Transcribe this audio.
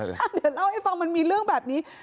เดี๋ยวเล่าให้ฟังมันมีเรื่องแบบนี้